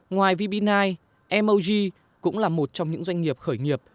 ngoài vb chín mog cũng là một trong những doanh nghiệp